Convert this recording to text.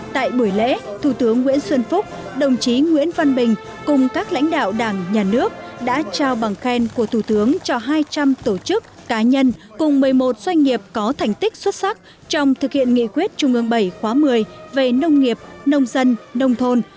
tại buổi lễ thủ tướng nguyễn xuân phúc đồng chí nguyễn văn bình cùng các lãnh đạo đảng nhà nước đã trao bằng khen của thủ tướng cho hai trăm linh tổ chức cá nhân cùng một mươi một doanh nghiệp có thành tích xuất sắc trong thực hiện nghị quyết trung ương bảy khóa một mươi về nông nghiệp nông dân nông thôn